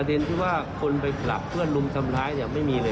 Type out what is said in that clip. ประเด็นที่ว่าคนไปผลักเพื่อนลุมทำร้ายไม่มีเลยครับ